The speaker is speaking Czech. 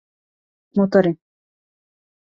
Motory